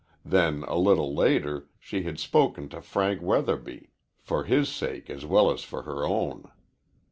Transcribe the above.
Then, a little later, she had spoken to Frank Weatherby, for his sake as well as for her own.